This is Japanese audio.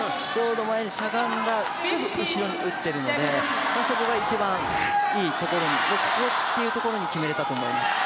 しゃがんだすぐ後ろに打っているので、一番いいところ、ここというところに決めれたと思います。